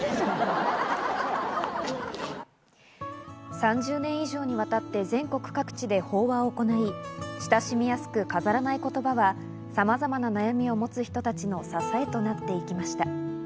３０年以上にわたって全国各地で法話を行い、親しみやすく飾らない言葉はさまざまな悩みを持つ人たちの支えとなってきました。